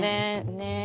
ねえ！